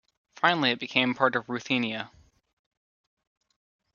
Finally it became a part of Ruthenia.